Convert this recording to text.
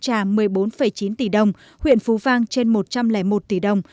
trả một mươi bốn chín tỷ đồng huyện phú vang trên một trăm linh một tỷ đồng